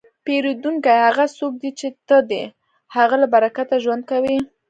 پیرودونکی هغه څوک دی چې ته د هغه له برکته ژوند کوې.